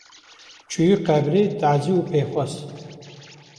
Çûyî qebrê tazî û pêxwas